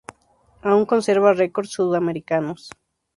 Aun conserva records sudamericanos.